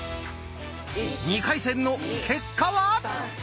２回戦の結果は？